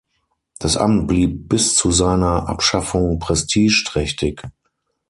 Das Amt blieb bis zu seiner Abschaffung prestigeträchtig.